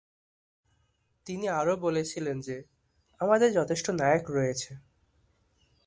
তিনি আরও বলেছিলেন যে 'আমাদের যথেষ্ট নায়ক রয়েছে।